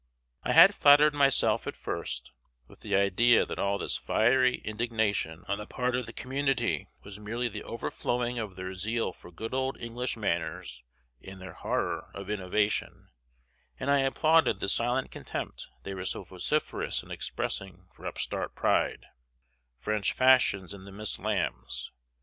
I had flattered myself, at first, with the idea that all this fiery indignation on the part of the community was merely the overflowing of their zeal for good old English manners and their horror of innovation, and I applauded the silent contempt they were so vociferous in expressing for upstart pride, French fashions and the Miss Lambs.